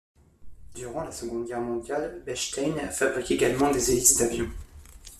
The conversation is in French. Durant la Seconde Guerre mondiale, Bechstein fabrique également des hélices d’avions.